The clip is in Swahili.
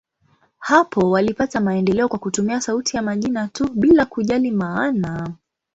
Hapo walipata maendeleo kwa kutumia sauti ya majina tu, bila kujali maana.